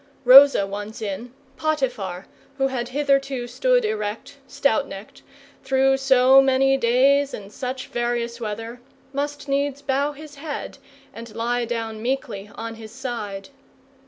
Rosa once in, Potiphar, who had hitherto stood erect, stout necked, through so many days and such various weather, must needs bow his head and lie down meekly on his side.